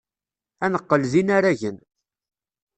Ad neqqel d inaragen.